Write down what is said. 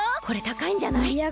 これたかいんじゃない？